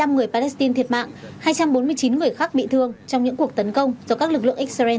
hai mươi năm người palestine thiệt mạng hai trăm bốn mươi chín người khác bị thương trong những cuộc tấn công do các lực lượng xrn